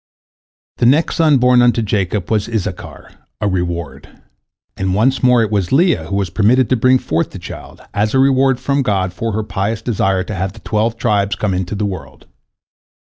" The next son born unto Jacob was Issachar, "a reward," and once more it was Leah who was permitted to bring forth the child, as a reward from God for her pious desire to have the twelve tribes come into the world.